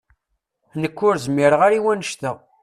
Nekk ur zmireɣ ara i wannect-a.